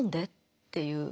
っていう。